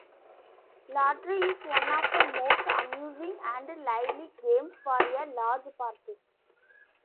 Lottery is one of the most amusing and lively games for a large party.